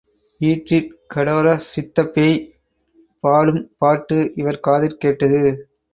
ஈற்றிற் கடோரசித்தப் பேய் பாடும் பாட்டு இவர் காதிற் கேட்டது.